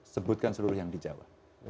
sebutkan seluruh yang di jawa